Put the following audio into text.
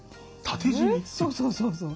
そうそうそうそう。